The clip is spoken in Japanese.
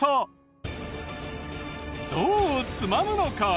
どうつまむのか？